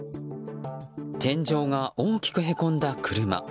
天井が大きくへこんだ車。